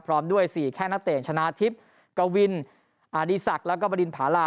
พร้อมด้วย๔แค่นักเตะชนะทิพย์กวินอดีศักดิ์แล้วก็บริณภารา